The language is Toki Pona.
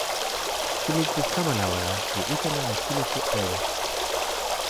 kulupu kamalawala li utala e kulupu owe.